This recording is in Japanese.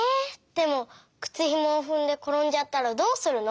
でもくつひもをふんでころんじゃったらどうするの？